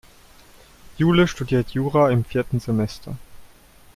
Jule studiert Jura im vierten Semester.